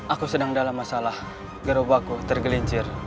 aku sedang dalam masalah gerobakku tergelincir